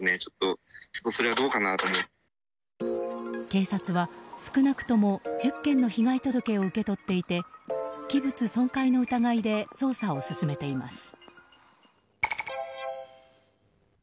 警察は、少なくとも１０件の被害届を受け取っていて器物損壊の疑いで捜査を進めています。